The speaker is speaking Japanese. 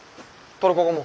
トルコ語も。